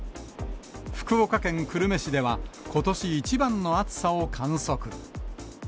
福岡県久留米市では、ことし一番の暑さを観測。